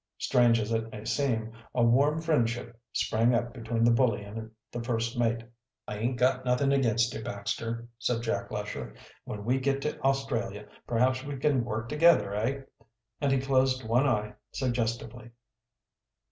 Strange as it may seem, a warm friendship sprang up between the bully and the first mate. "I aint got nothing against you, Baxter," said Jack Lesher. "When we get to Australia perhaps we can work together, eh?" and he closed one eye suggestively.